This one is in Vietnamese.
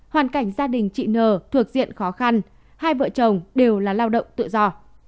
hoàn cảnh gia đình chị nờ thuộc diện khó khăn hai vợ chồng đều là lao động tự do